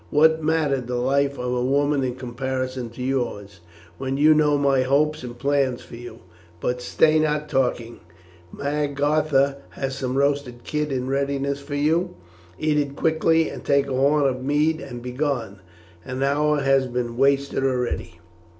What mattered the life of a woman in comparison to yours, when you know my hopes and plans for you? But stay not talking. Magartha has some roasted kid in readiness for you. Eat it quickly, and take a horn of mead, and be gone. An hour has been wasted already."